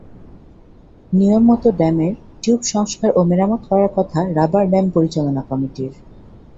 নিয়মমতো ড্যামের টিউব সংস্কার ও মেরামত করার কথা রাবার ড্যাম পরিচালনা কমিটির।